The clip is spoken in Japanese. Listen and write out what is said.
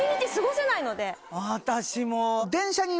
私も。